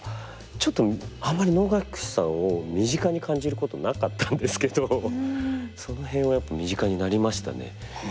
ちょっとあんまり能楽師さんを身近に感じることなかったんですけどその辺はやっぱり身近になりましたね。